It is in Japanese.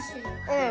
うん。